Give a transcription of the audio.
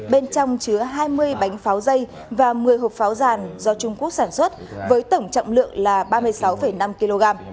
bên trong chứa hai mươi bánh pháo dây và một mươi hộp pháo giàn do trung quốc sản xuất với tổng trọng lượng là ba mươi sáu năm kg